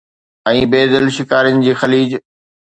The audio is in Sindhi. ۽ بي دل شڪارين جي خليج